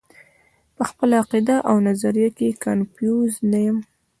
پۀ خپله عقيده او نظريه کښې کنفيوز نۀ يم -